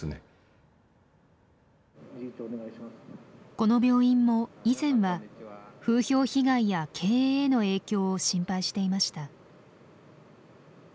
この病院も以前は風評被害や経営への影響を心配していました。